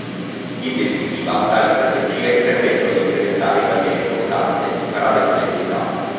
In definitiva tali strategie permettono di incrementare in maniera importante il parametro densità.